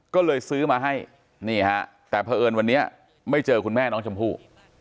ก็เลยซื้อมาให้นี่ฮะแต่เผอิญวันนี้ไม่เจอคุณแม่น้องชมพู่